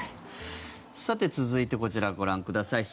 続いてこちら、ご覧ください。